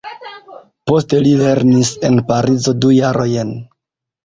Poste li lernis en Parizo du jarojn.